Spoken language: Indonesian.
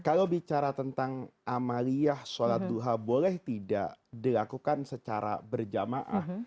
kalau bicara tentang amaliyah sholat duha boleh tidak dilakukan secara berjamaah